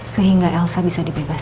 sehingga elsa bisa dibebaskan